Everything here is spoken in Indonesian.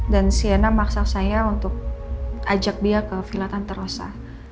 dan siana maksa saya untuk ajak dia ke vila tantarosa